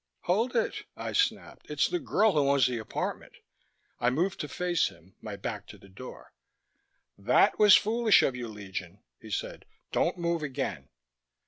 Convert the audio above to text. "Hold it," I snapped. "It's the girl who owns the apartment." I moved to face him, my back to the door. "That was foolish of you, Legion," he said. "Don't move again."